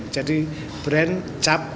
jadi brand cap atas